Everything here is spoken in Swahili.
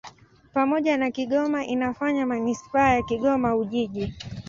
Pamoja na Kigoma inafanya manisipaa ya Kigoma-Ujiji.